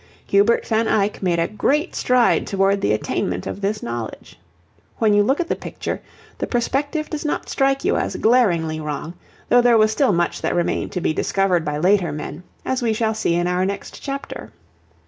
Hubert van Eyck made a great stride toward the attainment of this knowledge. When you look at the picture the perspective does not strike you as glaringly wrong, though there was still much that remained to be discovered by later men, as we shall see in our next chapter.